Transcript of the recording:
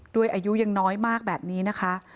อายุยังน้อยมากแบบนี้นะคะ